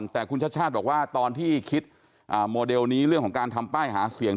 แต่คุณชาติชาติบอกว่าตอนที่คิดโมเดลนี้เรื่องของการทำป้ายหาเสียง